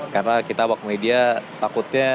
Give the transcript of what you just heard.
karena kita waktu media takutnya dikacau